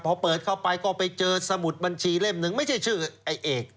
พอเปิดเข้าไปก็ไปเจอสมุดบัญชีเล่มหนึ่งไม่ใช่ชื่อไอ้เอก